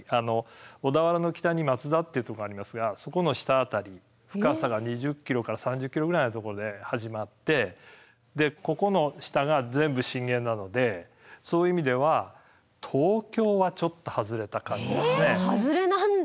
小田原の北に松田っていうとこがありますがそこの下辺り深さが２０ｋｍから３０ｋｍぐらいのところで始まってでここの下が全部震源なのでそういう意味では外れなんだ。